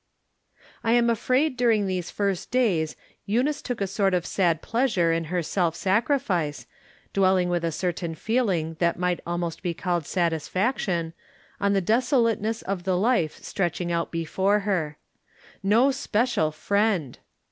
I am afraid. during these first days Eunice took a sort of sad pleasure in her self sacrifice, dwell ing with a certain feeling that might almost be called satisfaction, oh the desolateness of the life 302 jfVowi Different Standpoints. 303 stretcMng out before her. No special friend